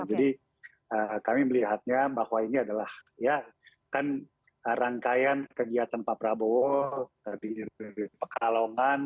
jadi kami melihatnya bahwa ini adalah ya kan rangkaian kegiatan pak prabowo di pekalongan